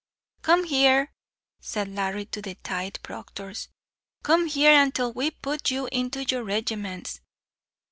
"Come here," said Larry to the tithe proctors; "come here, antil we put you into your regimentals."